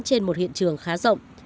trên một hiện trường khá rộng